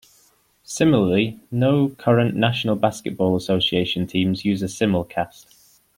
Similarly, no current National Basketball Association teams use a simulcast.